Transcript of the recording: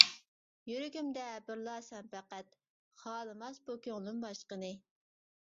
يۈرىكىمدە بىرلا سەن پەقەت، خالىماس بۇ كۆڭلۈم باشقىنى.